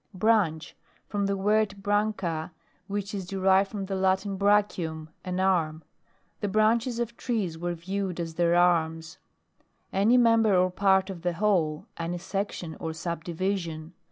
BRANCH From the word, Iranca, which is deiived from the Latin, bractiium, an arm. The branches of trees were viewed as their arms Any member or part of the whole; any section or sub division.